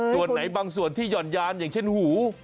ส่วนไหนบางส่วนที่หย่อนยานอย่างเช่นหู